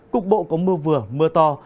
cục bộ có mưa vừa mưa to